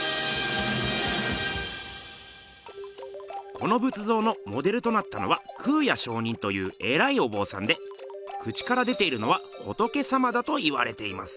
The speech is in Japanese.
この仏像のモデルとなったのは空也上人というえらいおぼうさんで口から出ているのは仏様だといわれています。